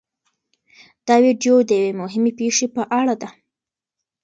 دا ویډیو د یوې مهمې پېښې په اړه ده.